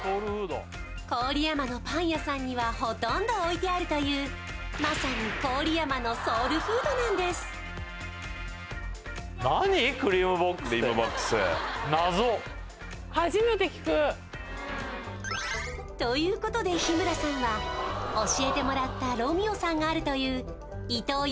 郡山のパン屋さんにはほとんど置いてあるというまさに郡山のソウルフードなんですクリームボックスということで日村さんは教えてもらったロミオさんがあるというイトー